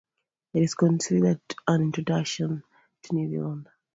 It is considered an introduction to New Zealand.